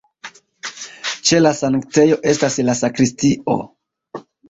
Ĉe la sanktejo estas la sakristio.